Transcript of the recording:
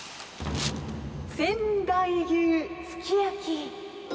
仙台牛すき焼き。